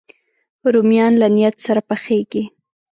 رومیان له نیت سره پخېږي